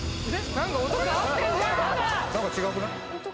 何か違くない？